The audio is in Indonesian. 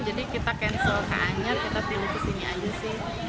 jadi kita cancel keannya kita pilih ke sini aja sih